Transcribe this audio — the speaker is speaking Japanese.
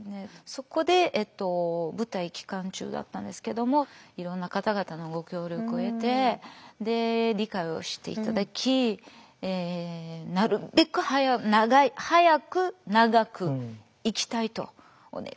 そこで舞台期間中だったんですけどもいろんな方々のご協力を得て理解をして頂きなるべく早く長く行きたいとお願いしますと。